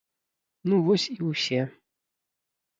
Ну вось і ўсе.